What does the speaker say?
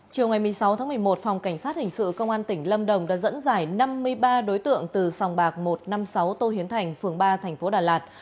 chiều ngày một mươi sáu tháng một mươi một phòng cảnh sát hình sự công an tỉnh lâm đồng đã dẫn dải năm mươi ba đối tượng từ sòng bạc một trăm năm mươi sáu tô hiến thành phường ba thành phố đà lạt